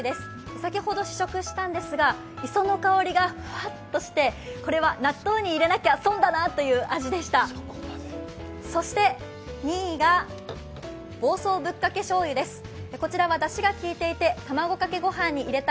先ほど試食したんですが、磯の香りがふわっとして、これは納豆に入れなきゃ損だなという味でした。